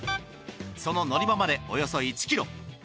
その乗り場までおよそ１ｋｍ。